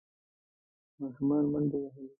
ماشومان منډې وهلې.